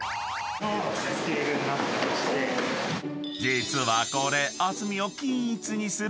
［実はこれ］